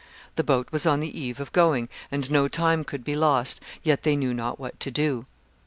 The boat was on the eve of going, and no time could be lost, yet they knew not what to do.